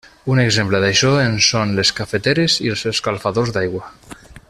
Un exemple d'això en són les cafeteres i els escalfadors d'aigua.